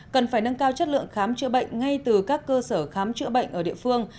cần phải nâng cao chất lượng khám chữa bệnh ngay từ các cơ sở khám chữa bệnh ở địa phương